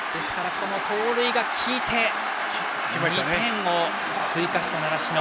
盗塁が効いて２点を追加した習志野。